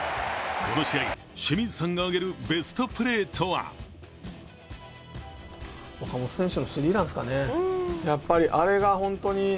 この試合、清水さんがあげるベストプレーとは再び世界一へ。